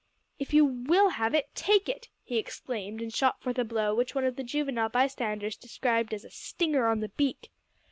"If you will have it take it!" he exclaimed, and shot forth a blow which one of the juvenile bystanders described as a "stinger on the beak!"